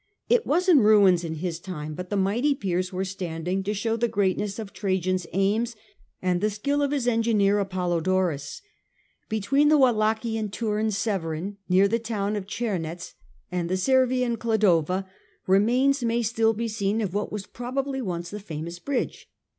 It was in ruins in his time ; but the mighty piers were standing to show the greatness of Trajan's aims and the skill of his engineer Apollodorus. Between the Wallachian Turn Severin near the town of Czernetz and the Servian Cladova, remains may still be seen of what was probably once the famous bridge.